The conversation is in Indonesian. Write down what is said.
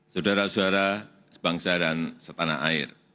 saudara saudara sebangsa dan setanah air